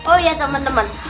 oh iya teman teman